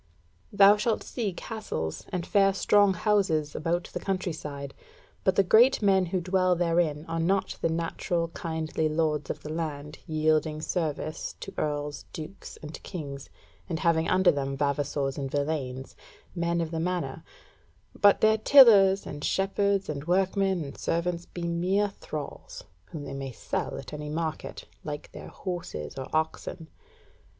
Thou shalt see castles and fair strong houses about the country side, but the great men who dwell therein are not the natural kindly lords of the land yielding service to Earls, Dukes, and Kings, and having under them vavassors and villeins, men of the manor; but their tillers and shepherds and workmen and servants be mere thralls, whom they may sell at any market, like their horses or oxen.